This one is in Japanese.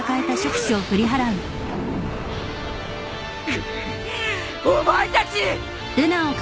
くっお前たち！